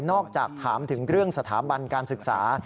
จากถามถึงเรื่องสถาบันการศึกษา